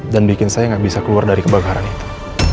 dan bikin saya gak bisa keluar dari kebakaran itu